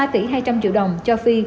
ba tỷ hai trăm linh triệu đồng cho phi